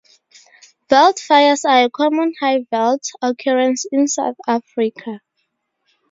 Veld fires are a common Highveld occurrence in South Africa.